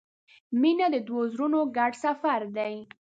• مینه د دوو زړونو ګډ سفر دی.